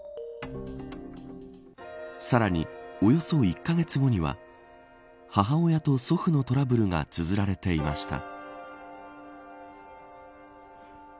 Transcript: さらに、およそ１カ月後には母親と祖父のトラブルがつづられていました。